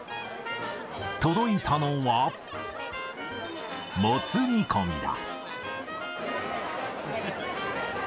届いたのは、もつ煮込みだ。